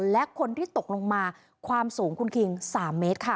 และคนที่ตกลงมาความสูงคุณคิง๓เมตรค่ะ